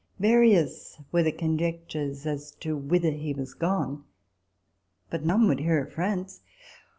" Various were the conjectures as to whither he was gone ; but none would hear of France.